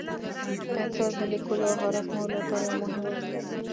پنسل د لیکلو او رسمولو لپاره یو مهم وسیله ده.